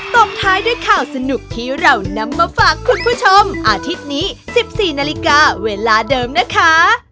ตบท้ายด้วยข่าวสนุกที่เรานำมาฝากคุณผู้ชมอาทิตย์นี้๑๔นาฬิกาเวลาเดิมนะคะ